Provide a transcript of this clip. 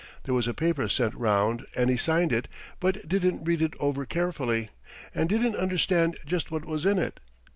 There was a paper sent round and he signed it, but didn't read it over carefully, and didn't understand just what was in it.